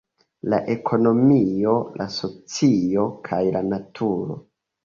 la ekonomio, la socio, kaj la naturo.